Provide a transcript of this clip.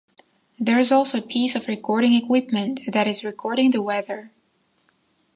There is also a piece of recording equipment that is recording the weather.